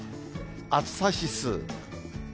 暑さ指数。